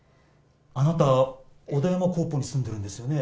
あなた小田山コーポに住んでるんですよね？